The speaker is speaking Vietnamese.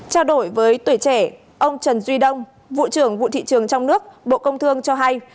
trao đổi với tuổi trẻ ông trần duy đông vụ trưởng vụ thị trường trong nước bộ công thương cho hay